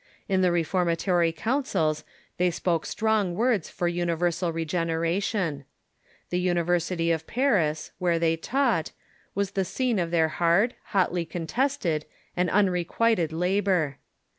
In the reformatory councils they spoke strong words for universal regeneration. The University Peter d'Ailly .. of Paris, Avhere they taught, was the scene of their hard, hotly contested, and unrequited labor.